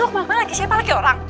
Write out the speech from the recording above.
lo kemarin laki siapa laki orang